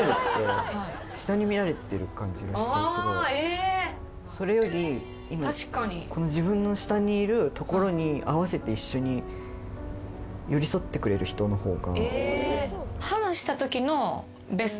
例えば。それより今自分の下にいるところに合わせて一緒に寄り添ってくれる人の方が。